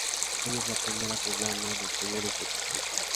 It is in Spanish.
Ella es la primera Poblana en obtener este título.